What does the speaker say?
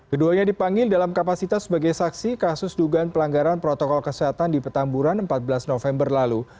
keduanya dipanggil dalam kapasitas sebagai saksi kasus dugaan pelanggaran protokol kesehatan di petamburan empat belas november lalu